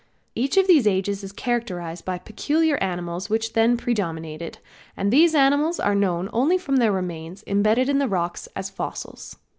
Each of these ages is characterized by the peculiar animals which then predominated, and these animals are known only from their remains imbedded in the rocks as fossils.